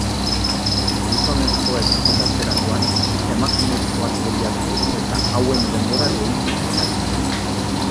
Gizonezkoek bukatzerakoan emakumezkoak lehiatu eta hauen denbora gehitu zitzaien.